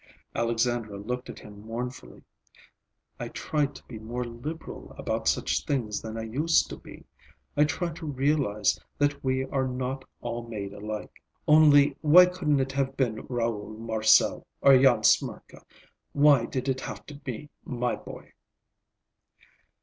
Alexandra looked at him mournfully. "I try to be more liberal about such things than I used to be. I try to realize that we are not all made alike. Only, why couldn't it have been Raoul Marcel, or Jan Smirka? Why did it have to be my boy?"